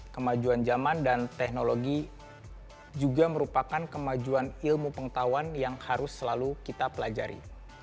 kemajuan zaman dan teknologi juga merupakan kemajuan ilmu pengetahuan yang harus selalu kita pelajari